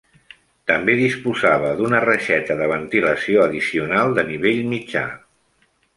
També disposava d'una reixeta de ventilació addicional de nivell mitjà.